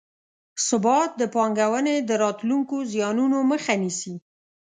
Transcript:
ثبات د پانګونې د راتلونکو زیانونو مخه نیسي.